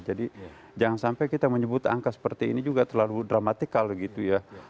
jadi jangan sampai kita menyebut angka seperti ini juga terlalu dramatikal gitu ya